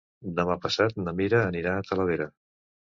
Demà passat na Mira anirà a Talavera.